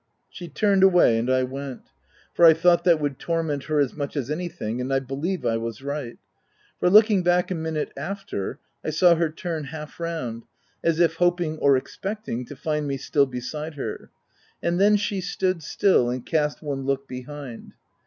She turned away, and I went ; for I thought that would torment her as much as anything ; and I believe I was right ; for, looking back a minute after, I saw her turn half round, as if hoping or expecting to find me still beside her ; and then she stood still, and cast one look behind.